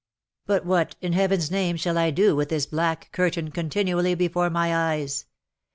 "But what, in heaven's name, shall I do with this black curtain continually before my eyes?